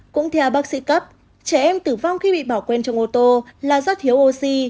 cũng theo bác sĩ cấp trẻ em tử vong khi bị bỏ quên trong ô tô là do thiếu oxy